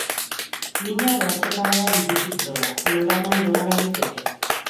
Mina edo atsekabea biluzik doa, noranahi doalarik ere.